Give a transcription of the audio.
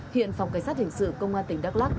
hiện phòng cảnh sát hình sự công an tỉnh đắk lắc